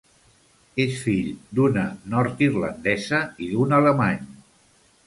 És fill d'una nord-irlandesa i d'un alemany.